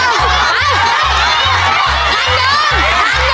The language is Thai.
ไปเร็วหน้า